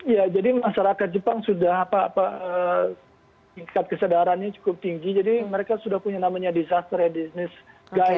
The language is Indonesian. ya jadi masyarakat jepang sudah tingkat kesadarannya cukup tinggi jadi mereka sudah punya namanya disaster ya business guide